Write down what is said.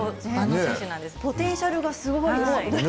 ポテンシャルがすごいですよね。